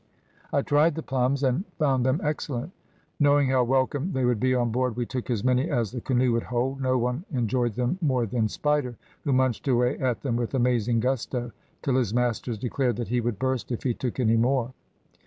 I tried the plums and found them excellent. Knowing how welcome they would be on board, we took as many as the canoe would hold: no one enjoyed them more than Spider, who munched away at them with amazing gusto, till his masters declared that he would burst if he took any more.